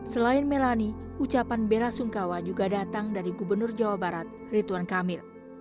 selain melani ucapan bela sungkawa juga datang dari gubernur jawa barat rituan kamil